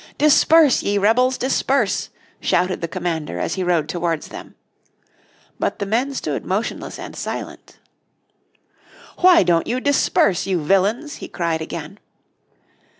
"Disperse, ye rebels, disperse," shouted the commander as he rode towards them. But the men stood motionless and silent. "Why don't you disperse, you villains?" he cried again.